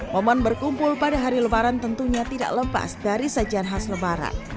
momen berkumpul pada hari lebaran tentunya tidak lepas dari sejarah suara